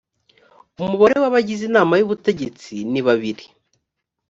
umubare w’abagize inama y’ubutegetsi ni babiri